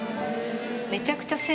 めちゃくちゃ。